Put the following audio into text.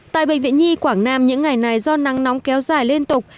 tại bệnh viện nhi quảng nam những ngày này do nắng nóng kéo dài liên tục